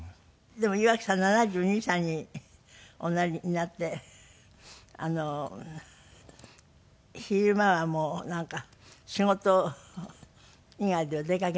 でも岩城さん７２歳におなりになって昼間はもうなんか仕事以外では出かけない？